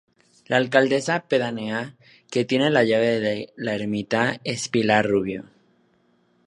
La alcaldesa pedánea, que tiene la llave de la ermita, es Pilar Rubio.